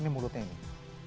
ini mulutnya nih